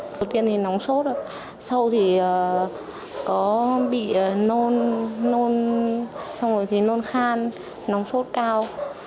trước tiên thì nóng sốt sau thì có bị nôn nôn xong rồi thì nôn khan nóng sốt cao